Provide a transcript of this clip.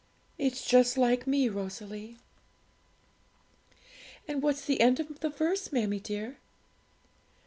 It's just like me, Rosalie.' 'And what's the end of the verse, mammie dear?'